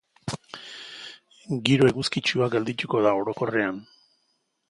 Giro eguzkitsua geldituko da orokorrean.